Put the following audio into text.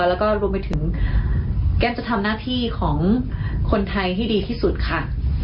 แล้วก็รวมไปถึงแก้มจะทำหน้าที่ของคนไทยให้ดีที่สุดค่ะ